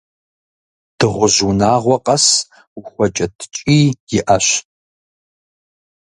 Дыгъужь унагъуэ къэс ухуэкӏэ ткӏий иӏэщ.